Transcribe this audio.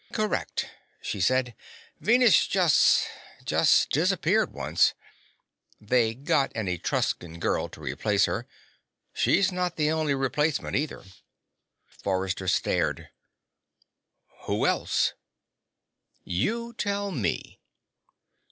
"Correct," she said. "Venus just just disappeared once. They got an Etruscan girl to replace her. She's not the only replacement, either." Forrester stared. "Who else?" "You tell me."